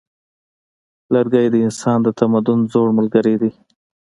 لرګی د انسان د تمدن زوړ ملګری دی.